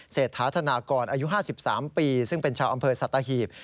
เศรษฐาธนากรอายุ๕๓ปีซึ่งเป็นชาวอำเภอสัตหีบ